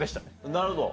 なるほど。